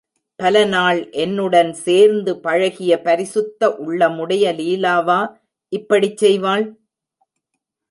பல நாள் என்னுடன் சேர்ந்து பழகிய பரிசுத்த உள்ளமுடைய லீலாவா இப்படிச் செய்வாள்?